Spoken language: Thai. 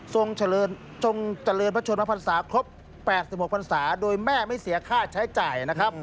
เจริญพระชนมพันศาครบ๘๖พันศาโดยแม่ไม่เสียค่าใช้จ่ายนะครับ